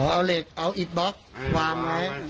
เอาเหล็กเอาอิดบล็อกวางไว้